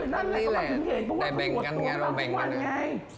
เป็นต้นอัดนี่แหละแต่แบ่งกันไงเราแบ่งกันนะครับ